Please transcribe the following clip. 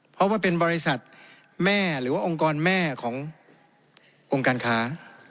เพราะว่าเป็นบริษัทแม่หรือว่าองค์กรแม่ขององค์การค้า